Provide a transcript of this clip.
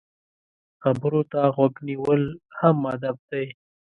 خبرو ته غوږ نیول هم ادب دی.